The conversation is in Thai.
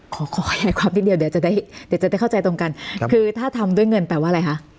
ขอขอขยายความนิดเดียวเดี๋ยวจะได้เดี๋ยวจะได้เข้าใจตรงกันคือถ้าทำด้วยเงินแปลว่าอะไรคะ